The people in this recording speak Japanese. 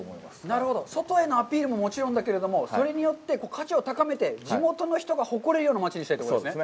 なるほど、外へのアピールももちろんだけども、それによって価値を高めて、地元の人が誇れるような町にしたいということですね。